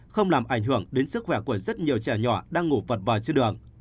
không làm ảnh hưởng đến sức khỏe của rất nhiều trẻ nhỏ đang ngủ vật vời trên đường